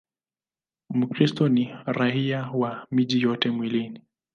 Mkristo ni raia wa miji yote miwili.